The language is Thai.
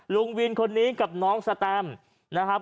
ลุงวินคนนี้กับน้องสแตมนะครับ